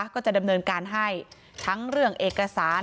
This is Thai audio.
ก็จะดำเนินการให้ทั้งเรื่องเอกสาร